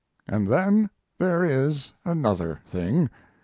And then there is another thing.